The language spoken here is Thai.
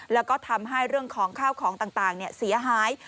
แล้วก็ทำให้เรื่องของข้าวของต่างเสียหาย